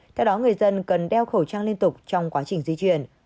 theo đó người dân cần đeo khẩu trang liên tục trong quá trình di chuyển